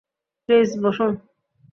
Please, বসুন।